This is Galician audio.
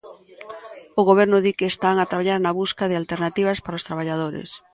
O goberno di que están a traballar na busca de alternativas para os traballadores.